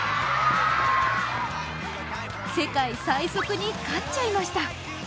世界最速に勝っちゃいました。